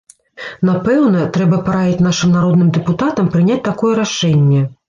Напэўна, трэба параіць нашым народным дэпутатам прыняць такое рашэнне.